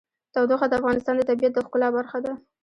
تودوخه د افغانستان د طبیعت د ښکلا برخه ده.